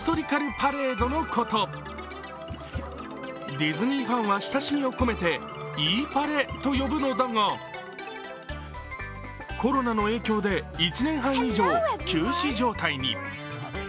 ディズニーファンは親しみを込めてＥパレと呼ぶのだがコロナの影響で１年半以上、休止状態に。